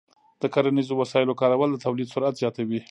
د کرنیزو وسایلو کارول د تولید سرعت زیاتوي.